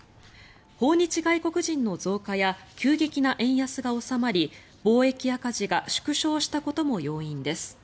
訪日外国人の増加や急激な円安が収まり貿易赤字が縮小したことも要因です。